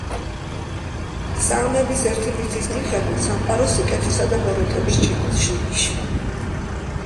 საამების ერთი მითის მიხედვით, სამყარო სიკეთისა და ბოროტების ჭიდილში იშვა.